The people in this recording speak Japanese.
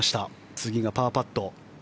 次がパーパット。